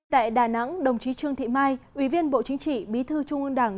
tại đà nẵng đồng chí trương thị mai ủy viên bộ chính trị bí thư trung ương đảng